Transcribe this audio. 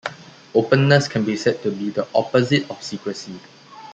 Openness can be said to be the opposite of secrecy.